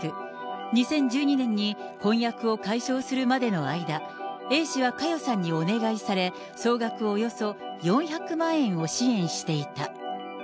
２０１２年に婚約を解消するまでの間、Ａ氏は佳代さんにお願いされ、総額およそ４００万円を支援していた。